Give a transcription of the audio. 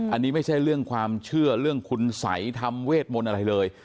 อันนี้ไม่ใช่เรื่องความเชื่อเรื่องคุณสัยทำเวทมนต์อะไรเลย